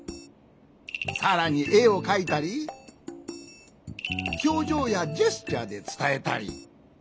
さらにえをかいたりひょうじょうやジェスチャーでつたえたり。